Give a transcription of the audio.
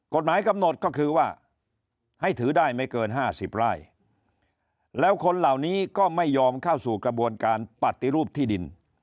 กฎหมายกำหนดก็คือว่าให้ถือได้ไม่เกิน๕๐ไร่แล้วคนเหล่านี้ก็ไม่ยอมเข้าสู่กระบวนการปฏิรูปที่ดิน